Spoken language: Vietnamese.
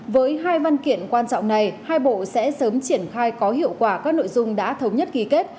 với hai văn kiện quan trọng này hai bộ sẽ sớm triển khai có hiệu quả các nội dung đã thống nhất ký kết